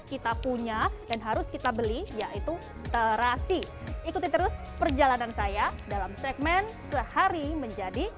kita punya dan harus kita beli yaitu terasi ikuti terus perjalanan saya dalam segmen sehari menjadi